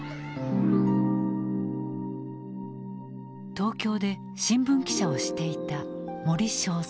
東京で新聞記者をしていた森正蔵。